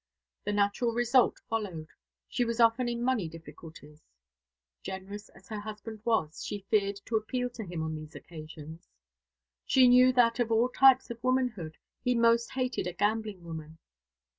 The natural result followed: she was often in money difficulties. Generous as her husband was, she feared to appeal to him on these occasions. She knew that, of all types of womanhood, he most hated a gambling woman.